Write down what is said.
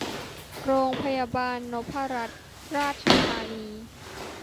โรงพยาบาลนพรัตนราชธานี